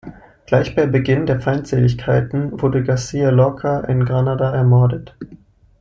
Gleich bei Beginn der Feindseligkeiten wurde García Lorca in Granada ermordet.